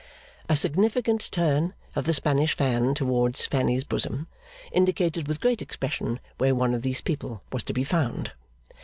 A significant turn of the Spanish fan towards Fanny's bosom, indicated with great expression where one of these people was to be found.